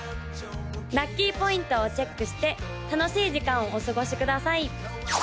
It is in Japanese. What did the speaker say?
ラッキーポイントをチェックして楽しい時間をお過ごしください！